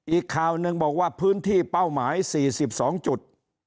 อีกข่าวหนึ่งบอกว่าพื้นที่เป้าหมาย๔๒จุด